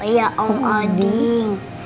iya om odin